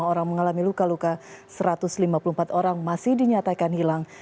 enam belas empat ratus delapan puluh lima orang mengalami luka luka satu ratus lima puluh empat orang masih dinyatakan hilang